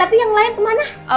tapi yang lain kemana